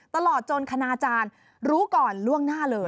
ตลอดจนคณาจารย์รู้ก่อนล่วงหน้าเลย